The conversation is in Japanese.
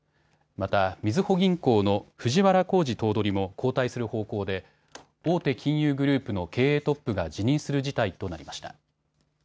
また、みずほ銀行の藤原弘治頭取も交代する方向で大手金融グループの経営トップが辞任する事態となりました。